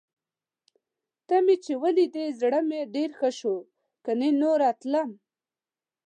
ته مې چې ولیدې، زړه مې ډېر ښه شو. کني نوره تلم.